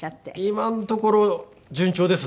今のところ順調ですね。